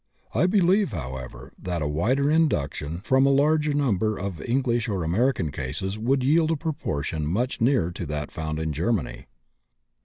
I believe, however, that a wider induction from a larger number of English and American cases would yield a proportion much nearer to that found in Germany.